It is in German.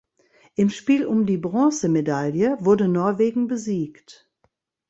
Im Spiel um die Bronzemedaille wurde Norwegen besiegt.